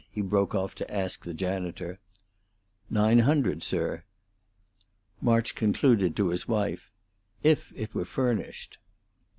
he broke off to ask the janitor. "Nine hundred, sir." March concluded to his wife, "If it were furnished."